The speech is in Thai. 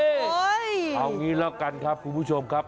โอ๊ยเอางี้ละกันครับคุณผู้ชมครับ